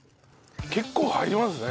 結構入りますね。